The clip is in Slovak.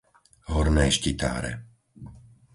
Horné Štitáre